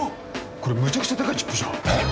これむちゃくちゃ高いチップじゃんえっ！？